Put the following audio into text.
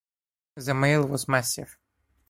The mail was massive.